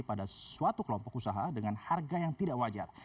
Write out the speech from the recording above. pada suatu kelompok usaha dengan harga yang tidak wajar